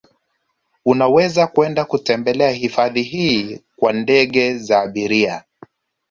Unaweza kwenda kutembelea hifadhi hii kwa ndege za abiria